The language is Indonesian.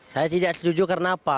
saya tidak setuju karena apa